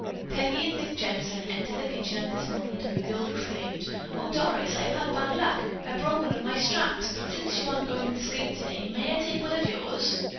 Peggy and Dick Jensen entered the kitchen at this moment and the girl exclaimed: "Oh, Doris, I've had bad luck. I broke one of my straps, but since you aren't going to skate today, may I take one of yours?"